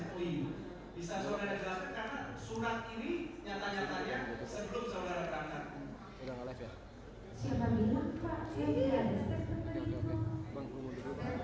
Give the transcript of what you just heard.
dengan pihak preskriptor saya ketika tiba di tangan suci dunia saya memprosting bukan urusan yang oyu pak